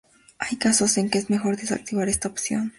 hay casos en que es mejor desactivar esta opción: